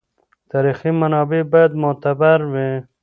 تاریخي منابع باید معتبر وي.